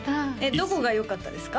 どこがよかったですか？